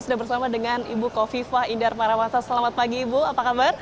sudah bersama dengan ibu kofifa indar parawasa selamat pagi ibu apa kabar